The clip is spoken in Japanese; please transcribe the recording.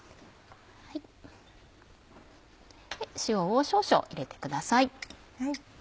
塩を少々入れてください。